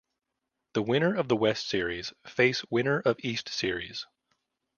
The winner of West series face winner of East series.